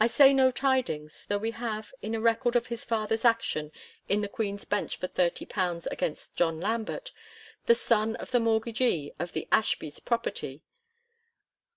I say no tidings, though we have, in a record of his father's action in the Queen's Bench for £30 against John Lambert, the son of the mortgagee of the Ashbies property (p.